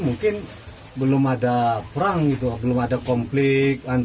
mungkin belum ada perang gitu belum ada konflik